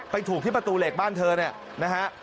ถูกที่ประตูเหล็กบ้านเธอเนี่ยนะฮะ